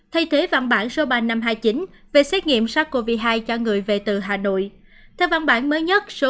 thay thế văn bản số ba nghìn năm trăm hai mươi chín về xét nghiệm sars cov hai cho người về từ hà nội